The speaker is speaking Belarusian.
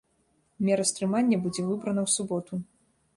Мера стрымання будзе выбрана ў суботу.